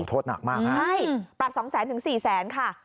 โทษหนักมากค่ะใช่ปรับ๒๐๐๐๐๐๔๐๐๐๐๐ค่ะ